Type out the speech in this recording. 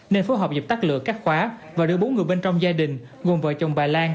nên phối hợp dập tắt lửa cắt khóa và đưa bốn người bên trong gia đình gồm vợ chồng bà lan